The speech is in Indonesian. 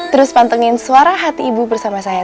terus pantungin suara hati ibu bersama saya